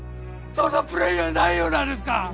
どんなプレイ内容なんですか？